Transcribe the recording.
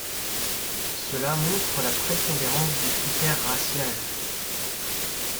Cela montre la prépondérance du critère raciale.